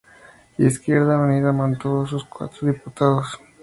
Izquierda Unida mantuvo sus cuatro diputados.